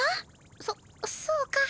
そそうか。